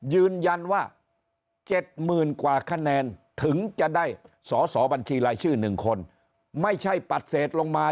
ยืนยันว่า๗๐๐๐กว่าคะแนนถึงจะได้สอสอบัญชีรายชื่อ๑คนไม่ใช่ปัดเศษลงมา